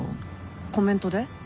コメントで？